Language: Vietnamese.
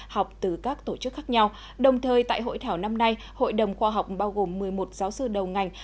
học từ các tổ chức khác nhau đồng thời tại hội thảo năm nay hội đồng khoa học bao gồm một mươi một giáo sư đầu ngành